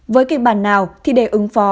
với kịch bản nào thì để ứng phó